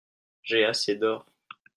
J'ai assez d'or.